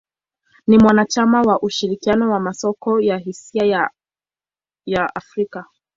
Ni mwanachama wa ushirikiano wa masoko ya hisa ya Afrika.